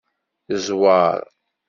Zweṛ.